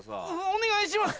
お願いします